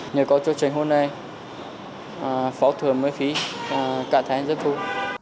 nhưng có chương trình hôm nay phẫu thuật mới phí cảm thấy rất vui